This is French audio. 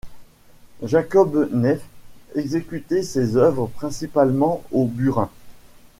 Jacob Neefs exécutait ses œuvres principalement au burin.